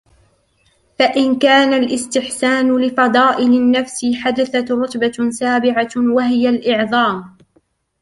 فَإِنْ كَانَ الِاسْتِحْسَانُ لِفَضَائِلِ النَّفْسِ حَدَثَتْ رُتْبَةٌ سَابِعَةٌ ، وَهِيَ الْإِعْظَامُ